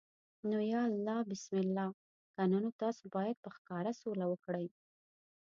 نو یا الله بسم الله، کنه نو تاسو باید په ښکاره سوله وکړئ.